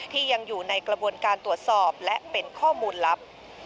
ที่ยังอยู่ในกระบวนการตรวจสอบและเป็นข้อมูลลับ